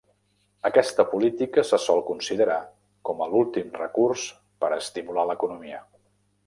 Aquesta política se sol considerar com a l'últim recurs per estimular l'economia.